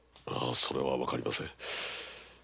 それは分かりません